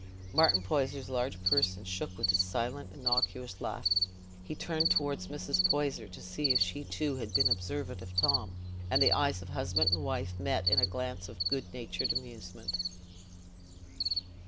Martin Poyser's large person shook with his silent unctuous laugh. He turned towards Mrs. Poyser to see if she too had been observant of Tom, and the eyes of husband and wife met in a glance of good natured amusement.